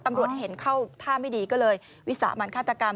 ตำรวจเห็นเข้าท่าไม่ดีก็เลยวิสามันฆาตกรรม